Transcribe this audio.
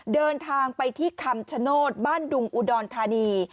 เดินทางไปที่คำชโนธบ้านดุงอุดรธานี